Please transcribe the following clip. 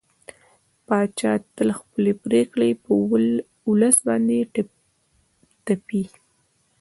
پاچا تل خپلې پرېکړې په ولس باندې تپي.